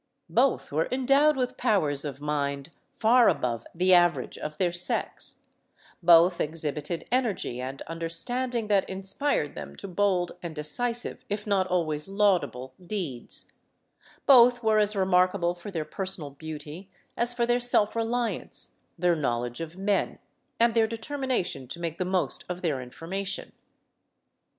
... Both were endowed with powers of mind far above the average of the:r sex; both exhibited energy and understanding that inspired their to bold and decisive, if not always laudable, deeds; both were as remarkable for their personal beauty as for their self reli ance, their knowledge of men, and their determination to mako the most of their information.